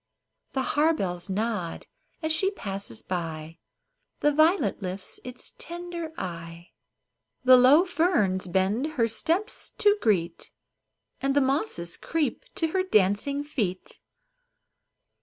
The harebells nod as she passes by, The violet lifts its tender eye, The low ferns bend her steps to greet, And the mosses creep to her dancing feet.